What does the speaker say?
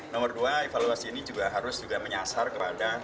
nomor dua evaluasi ini juga harus juga menyasar kepada